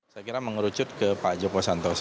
saya kira mengerucut ke pak joko santoso